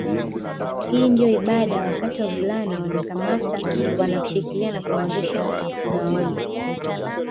Hii ndio ibada wakati wavulana wanakamata wanamshikilia na kumwangusha ngâombe